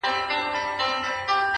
حقيقت د وخت په تېرېدو کم نه کيږي,